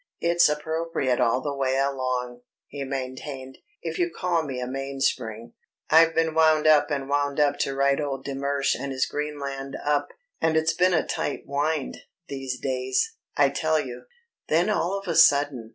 "It's appropriate all the way along," he maintained, "if you call me a mainspring. I've been wound up and wound up to write old de Mersch and his Greenland up and it's been a tight wind, these days, I tell you. Then all of a sudden